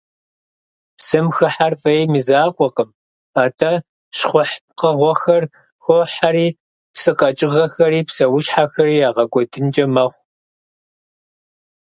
Псым хыхьэр фӀейм и закъуэкъым, атӀэ щхъухь пкъыгъуэхэр хохьэри псы къэкӀыгъэхэри псэущхьэхэри ягъэкӀуэдынкӀэ мэхъу.